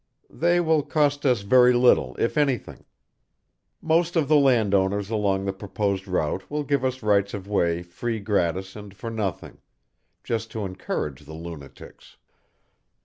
"They will cost us very little, if anything. Most or the landowners along the proposed route will give us rights of way free gratis and for nothing, just to encourage the lunatics.